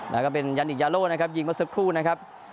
แล้วก็เป็นยันนิกยาโล่นะครับยิงมา๑๐ครู่นะครับ